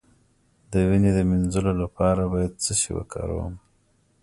د وینې د مینځلو لپاره باید څه شی وکاروم؟